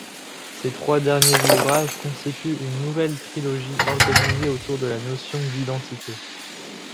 Ces trois derniers ouvrages constituent une nouvelle trilogie organisée autour de la notion d'identité.